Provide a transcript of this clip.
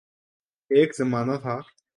ایک زمانہ تھا